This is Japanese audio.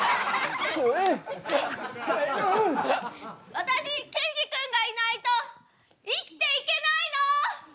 私ケンジ君がいないと生きていけないの！